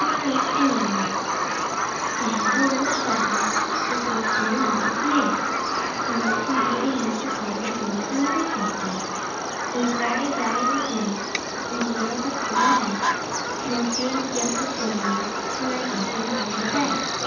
My Shadow I HAVE a little shadow that goes in and out with me, And what can be the use of him is more than I can see. He is very, very like me from the heels up to the head; And I see him jump before me, when I jump into my bed.